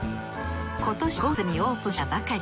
今年５月にオープンしたばかり。